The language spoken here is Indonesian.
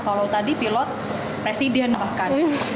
kalau tadi pilot presiden bahkan